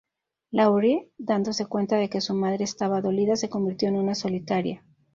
Laurie dándose cuenta de que su madre estaba dolida se convirtió en una solitaria.